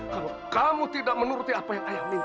kalau kamu tidak menuruti apa yang ayah minta